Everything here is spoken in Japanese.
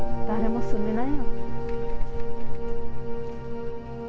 誰も住めないよ。